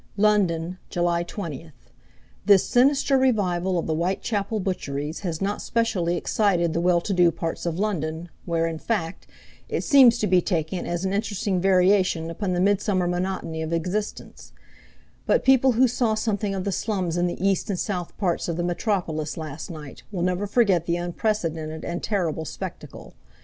London, July 20. This sinister revival of the Whitechapel butcheries has not specially excited the well to do parts of London, where, in fact, it seems to be taken as an interesting variation upon the midsummer monotony of existence; but people who saw something of the slums in the east and south parts of the metropolis last night will never forget the unprecedented and terrible spectacle.